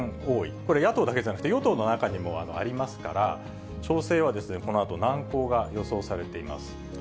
これ、野党だけじゃなくて、与党の中にもありますから、調整はこのあと、難航が予想されています。